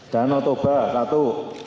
dano toba satu